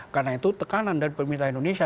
karena itu tekanan dari pemerintah indonesia